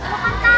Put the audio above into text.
lo kan tau